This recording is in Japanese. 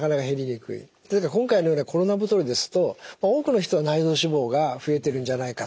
今回のようなコロナ太りですと多くの人が内臓脂肪が増えているんじゃないかと。